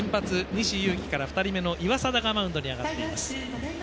西勇輝から２人目の岩貞がマウンドに上がっています。